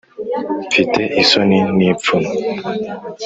Mfite isoni n ipfunwe